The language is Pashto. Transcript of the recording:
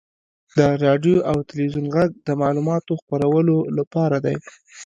• د راډیو او تلویزیون ږغ د معلوماتو خپرولو لپاره دی.